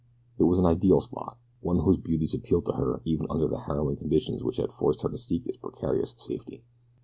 It was an ideal spot, one whose beauties appealed to her even under the harrowing conditions which had forced her to seek its precarious safety.